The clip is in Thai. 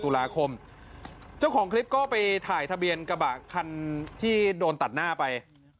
ตุลาคมเจ้าของคลิปก็ไปถ่ายทะเบียนกระบะคันที่โดนตัดหน้าไป